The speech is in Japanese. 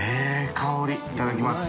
香りいただきます。